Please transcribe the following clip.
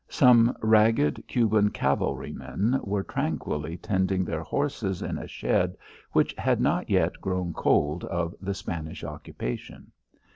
Some ragged Cuban cavalrymen were tranquilly tending their horses in a shed which had not yet grown cold of the Spanish occupation.